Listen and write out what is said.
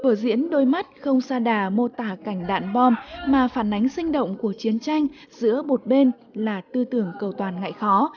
vở diễn đôi mắt không xa đà mô tả cảnh đạn bom mà phản ánh sinh động của chiến tranh giữa bột bên là tư tưởng cầu toàn ngại khó